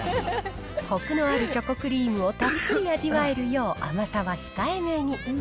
こくのあるチョコクリームをたっぷり味わえるよう、甘さは控えめに。